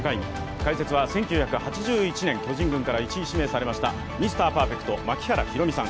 解説は１９８１年、巨人軍から１位指名されましたミスター・パーフェクト槙原さん。